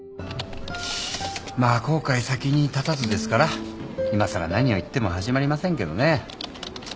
まあ後悔先に立たずですからいまさら何を言っても始まりませんけどね。